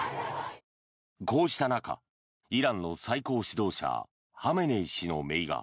こうした中、イランの最高指導者ハメネイ師のめいが